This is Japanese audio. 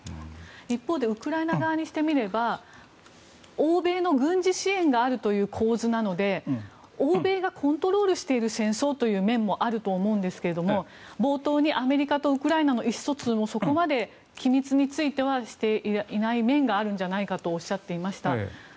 一方でウクライナ側にしてみれば欧米の軍事支援があるという構図なので欧米がコントロールしている戦争という面もあると思うんですが冒頭にアメリカとウクライナの意思疎通もそこまで機密についてはしていない面があるんじゃないかとおっしゃっていました。